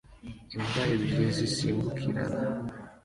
Imbwa ebyiri zisimbukirana